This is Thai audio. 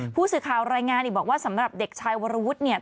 ผู้สื่อข่าวรายงานอีกบอกว่าสำหรับเด็กชายวรวุฒิเนี่ย